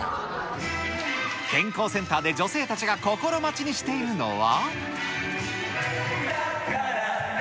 健康センターで女性たちが心待ちにしているのは。